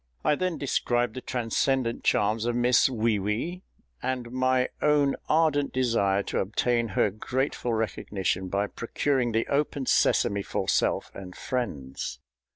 I then described the transcendent charms of Miss WEE WEE, and my own ardent desire to obtain her grateful recognition by procuring the open sesame for self and friends.